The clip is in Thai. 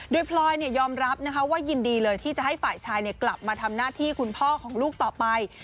โดยพลอยยอมรับนะคะว่ายินดีเลยที่จะให้ฝ่ายชายกลับมาทำหน้าที่คุณพ่อของลูกต่อไป